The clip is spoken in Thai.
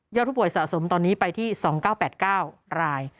ผู้ป่วยสะสมตอนนี้ไปที่๒๙๘๙ราย